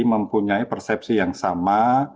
mempunyai persepsi yang sama